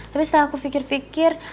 tapi setelah aku pikir pikir